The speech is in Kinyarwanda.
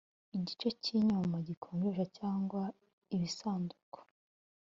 igice cy inyuma gikonjesha cyangwa ibisanduku